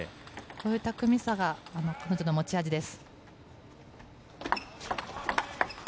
こういう巧みさが彼女の持ち味です。